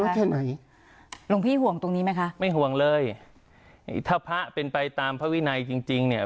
แค่ไหนหลวงพี่ห่วงตรงนี้ไหมคะไม่ห่วงเลยถ้าพระเป็นไปตามพระวินัยจริงจริงเนี่ย